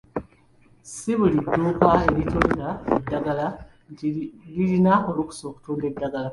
Si buli dduuka eritunda eddagala nti lilina olukusa okutunda eddagala.